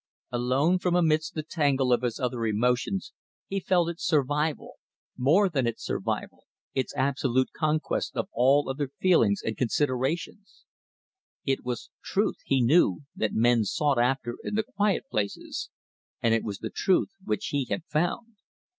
Alone, from amidst the tangle of his other emotions, he felt its survival more than its survival, its absolute conquest of all other feelings and considerations. It was truth, he knew, that men sought after in the quiet places, and it was the truth which he had found.